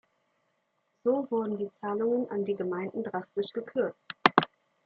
So wurden die Zahlungen an die Gemeinden drastisch gekürzt.